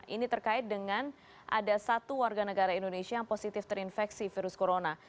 ini terkait dengan ada satu warga negara indonesia yang positif terinfeksi virus corona